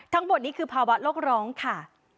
ทั้งหมดนี้คือภาวะโลกร้องค่ะ